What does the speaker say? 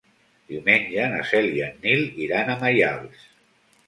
Diumenge na Cel i en Nil iran a Maials.